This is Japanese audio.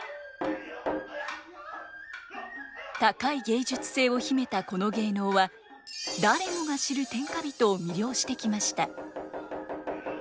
高い芸術性を秘めたこの芸能は誰もが知る天下人を魅了してきました。